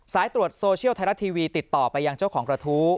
สายตรวจโซเชียลไทยรัฐทีวีติดต่อไปยังเจ้าของกระทู้